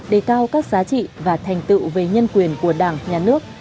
đề cao các giá trị và thành tựu về nhân quyền của đảng nhà nước